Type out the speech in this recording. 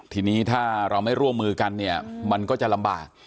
ทีนี้ถ้าเราไม่ร่วมมือกันเนี่ยมันก็จะลำบาก